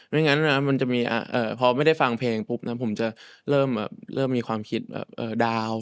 งั้นนะมันจะมีพอไม่ได้ฟังเพลงปุ๊บนะผมจะเริ่มมีความคิดแบบดาว